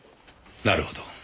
なるほど。